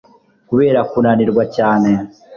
Kubera kunanirwa cyane